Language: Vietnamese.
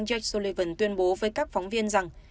george sullivan tuyên bố với các phóng viên rằng